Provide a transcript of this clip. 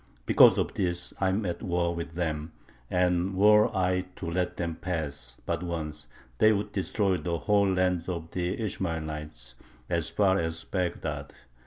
Because of this I am at war with them, and were I to let them pass but once, they would destroy the whole land of the Ishmaelites as far as Bagdad....